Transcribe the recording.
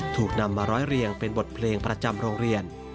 ถูกนำมาร้อยเรียงเป็นบทเพลงประจำโรงเรียน